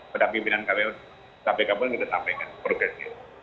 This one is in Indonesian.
pada pimpinan kpk pun kita sampaikan progresnya